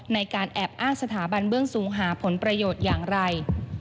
ในการแอบอ้างสถาบันเบื้องสูงหาผลประโยชน์อย่างไร